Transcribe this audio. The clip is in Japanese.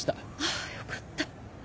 あよかった。